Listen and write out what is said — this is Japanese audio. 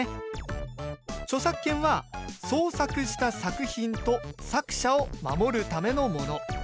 著作権は創作した作品と作者を守るためのもの。